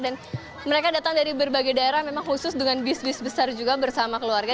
dan mereka datang dari berbagai daerah memang khusus dengan bis bis besar juga bersama keluarga